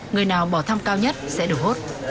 người nào bỏ thăm cao nhất sẽ được hốt